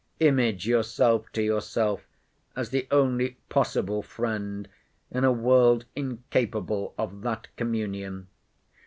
Image yourself to yourself, as the only possible friend in a world incapable of that communion.